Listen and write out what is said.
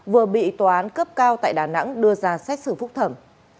vừa bị tòa án cấp cao tại đà nẵng đưa ra xét xử phúc thẩm